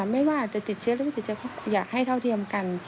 ไม่ว่าจะติดเชื้อหรือไม่ติดเชื้ออยากให้เท่าเทียมกัน